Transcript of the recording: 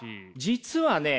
実はね